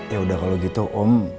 ya udah kalau gitu om